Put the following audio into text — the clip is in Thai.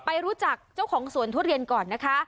ไปรู้จักเจ้าของสวนทุเรียนก่อนนะคะ